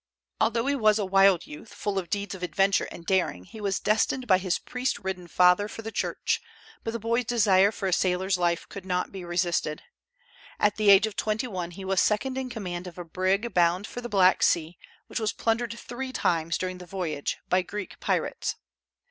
Although he was a wild youth, full of deeds of adventure and daring, he was destined by his priest ridden father for the Church; but the boy's desire for a sailor's life could not be resisted. At the age of twenty one he was second in command of a brig bound for the Black Sea, which was plundered three times during the voyage by Greek pirates.